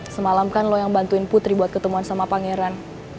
semalamkan lo yang bantuin putri buat ketemuan sama pangeran